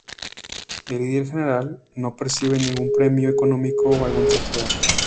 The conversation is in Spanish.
El líder general no recibe ningún premio económico o algún trofeo.